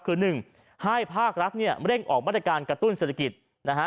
คือ๑ให้ภาครัฐเร่งออกบรรยาการกระตุ้นเศรษฐกิจ